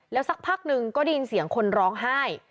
สักพักหนึ่งก็ได้ยินเสียงคนร้องไห้